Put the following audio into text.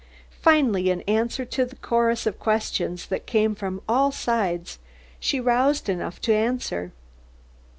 Finally, in answer to the chorus of questions that came from all sides, she roused enough to answer.